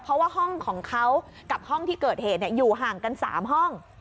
เพราะว่าห้องของเขากับห้องที่เกิดเหตุอยู่ห่างกัน๓ห้อง